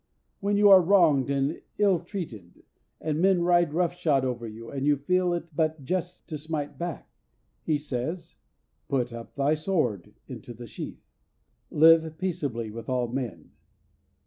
When you are wronged and illtreated, and men ride rough shod over you, and you feel it but just to smite back, He says, "Put up thy sword into the sheath." "Live peaceably with all men."